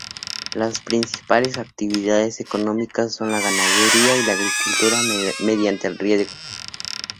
Las principales actividades económicas son la ganadería y la agricultura mediante riego.